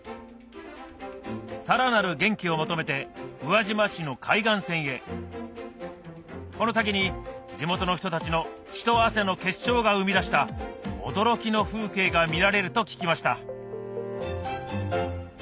さらなる元気を求めて宇和島市の海岸線へこの先に地元の人たちの血と汗の結晶が生み出した驚きの風景が見られると聞きました